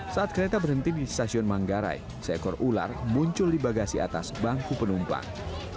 saat kereta berhenti di stasiun manggarai seekor ular muncul di bagasi atas bangku penumpang